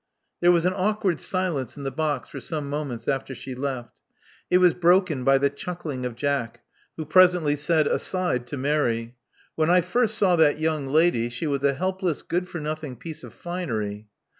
There was an awkward silence in the box for some moments after she left. It was broken by the chuck ling of Jack, who presently said aside to Mary, Wheii I first saw that young lady, she was a helpless good for nothing piece of finery."